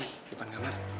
di depan kamar